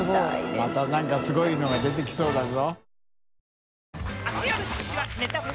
泙寝燭すごいのが出てきそうだぞ。